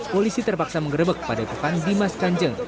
polisi terpaksa mengerebek padepokan dimas kanjeng